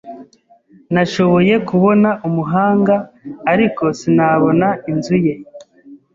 Nashoboye kubona umuhanda, ariko sinabona inzu ye.